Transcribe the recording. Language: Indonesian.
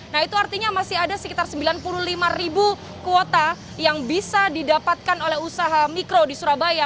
nah itu artinya masih ada sekitar sembilan puluh lima ribu kuota yang bisa didapatkan oleh usaha mikro di surabaya